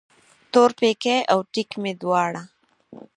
تورپیکی او ټیک مې دواړه